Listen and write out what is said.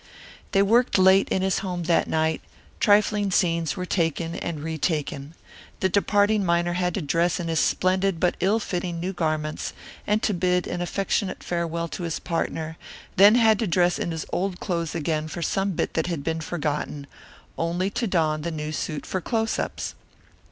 They worked late in his home that night; trifling scenes were taken and retaken. The departing miner had to dress in his splendid but ill fitting new garments and to bid an affectionate farewell to his partner, then had to dress in his old clothes again for some bit that had been forgotten, only to don the new suit for close ups.